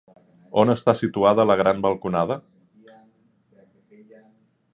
On està situada la gran balconada?